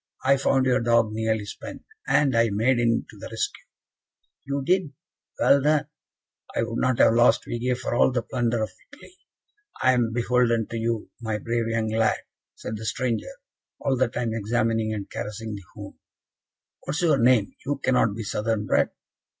"I found your dog nearly spent, and I made in to the rescue." "You did? Well done! I would not have lost Vige for all the plunder of Italy. I am beholden to you, my brave young lad," said the stranger, all the time examining and caressing the hound. "What is your name? You cannot be Southern bred?"